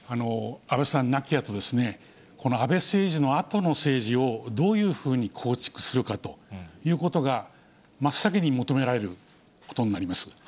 安倍さん亡きあと、この安倍政治のあとの政治をどういうふうに構築するかということが真っ先に求められることになります。